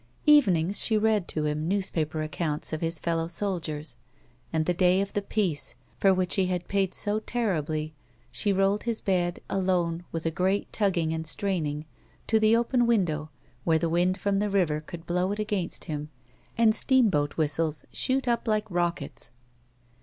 Evenings, she read to him newspaper accounts of his fellow soldiers, and the day of the peace, for which he had paid so terribly, she rolled his bed, alone, with a great tugging and straining, to the open window, where the wind from the river could blow in against him and steamboat whistles shoot up like rockets.